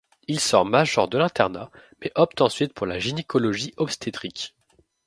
Il sort major de l'internat, mais opte ensuite pour la gynécologie-obstétrique.